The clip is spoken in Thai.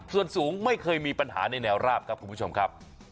ส่วนสูงไม่เคยมีปัญหาในแนวราบครับคุณผู้ชมครับ